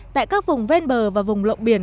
tại các vùng ven bờ và vùng lộn biển